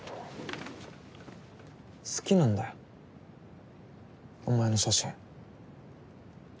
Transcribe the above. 好きなんだよお前の写真。